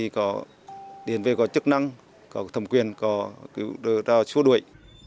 có chức năng có thẩm quyền có cứu đỡ ra suốt đuổi